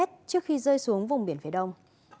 trước khi rơi xuống vùng biển phía đông